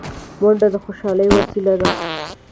منډه د خوشحالۍ وسیله ده